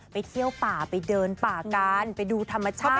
ไปเที่ยวป่าไปเดินป่ากันไปดูธรรมชาติ